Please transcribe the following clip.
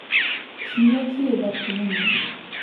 君はきれいだってなに。